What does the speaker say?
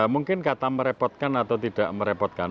mungkin kata merepotkan atau tidak merepotkan